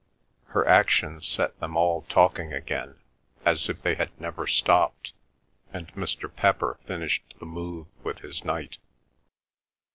Her action set them all talking again as if they had never stopped, and Mr. Pepper finished the move with his Knight.